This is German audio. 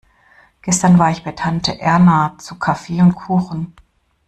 Gestern war ich bei Tante Erna zu Kaffee und Kuchen.